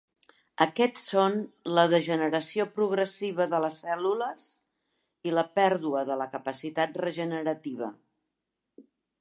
Aquests són la degeneració progressiva de les cèl·lules i la pèrdua de la capacitat regenerativa.